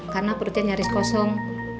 karena perutnya nyaris kosong